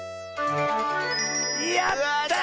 やった！